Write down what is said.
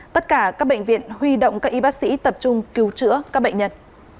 tất cả các bệnh viện huy động các y bác sĩ tập trung cứu chữa các bệnh nhân